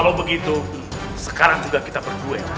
kalau begitu sekarang juga kita berdua